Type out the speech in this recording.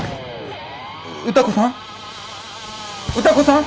歌子さん？